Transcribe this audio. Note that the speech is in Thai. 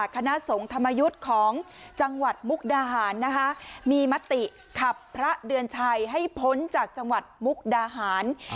คณะสงฆ์ธรรมยุทธ์ของจังหวัดมุกดาหารนะคะมีมติขับพระเดือนชัยให้พ้นจากจังหวัดมุกดาหาร